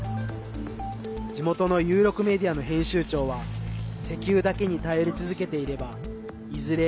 地元の有力メディアの編集長は石油だけに頼り続けていればいずれ